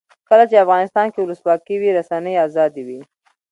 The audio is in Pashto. کله چې افغانستان کې ولسواکي وي رسنۍ آزادې وي.